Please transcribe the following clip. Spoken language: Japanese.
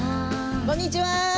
こんにちは。